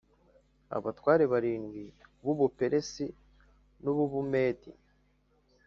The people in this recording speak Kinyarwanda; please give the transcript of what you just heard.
, abatware barindwi b’u Buperesi n’u Bumedi